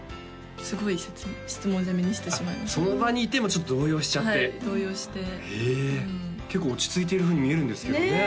すごい質問攻めにしてしまいましたその場にいてもちょっと動揺しちゃってはい動揺してへえ結構落ち着いてるふうに見えるんですけどね